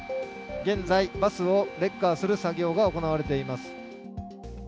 現在、バスをレッカーする作業が行われています。